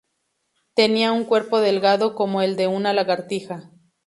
Tenía un cuerpo delgado como el de una lagartija.